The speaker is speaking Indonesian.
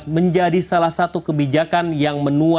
menjadi salah satu kebijakan yang menua